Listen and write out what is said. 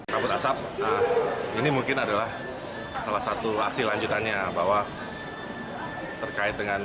kabut asap ini mungkin adalah salah satu aksi lanjutannya bahwa terkait dengan